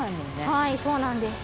はいそうなんです。